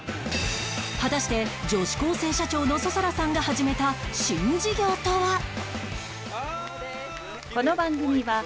果たして女子高生社長の想空さんが始めた新事業とは？